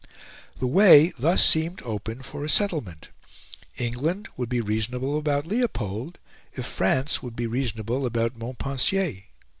The way thus seemed open for a settlement: England would be reasonable about Leopold, if France would be reasonable about Montpensier.